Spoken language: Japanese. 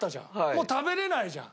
もう食べれないじゃん。